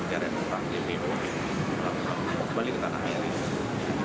kembali ke tanah air